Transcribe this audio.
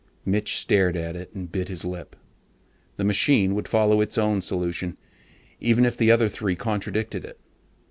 Mitch stared at it and bit his lip. The machine would follow its own solution, even if the other three contradicted it.